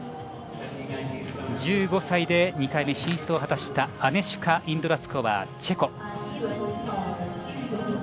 １５歳で２回目進出を果たしたアネシュカ・インドゥラツコバーチェコ。